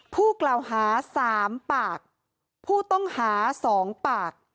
ผู้กล่าวหา๓ปากผู้ต้องหา๒ปาก